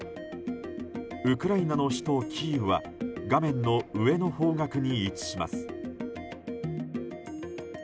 ウクライナの首都キーウは画面の上の方角に位置します。